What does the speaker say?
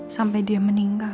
sampai dia meninggal